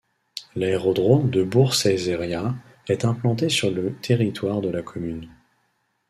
L'aérodrome de Bourg - Ceyzériat est implanté sur le territoire de la commune.